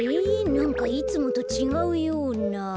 なんかいつもとちがうような。